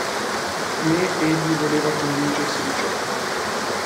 Ne egli voleva convincersi di ciò.